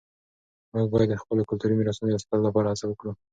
موږ باید د خپلو کلتوري میراثونو د ساتلو لپاره هڅه وکړو.